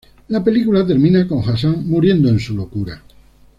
La película termina con Hassan muriendo en su locura.